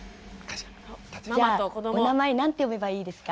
じゃあお名前何て呼べばいいですか？